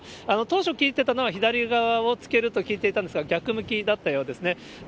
当初聞いてたのは、左側をつけると聞いていたんですが、逆向きだったようですね。